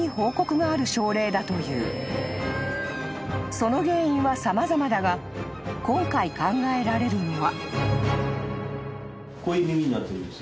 ［その原因は様々だが今回考えられるのは］